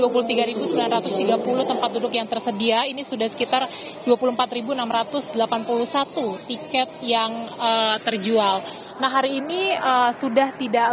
dua ribu tiga bingu sembilan ratus tiga puluh tempat duduk yang tersedia ini sudah sekitar dua puluh empat ribu enam ratus delapan puluh satu tiket yang terjual nah hari ini sudah tidak tersedia penguatan tiket itu sudah terhampakan ke parlament di flawsur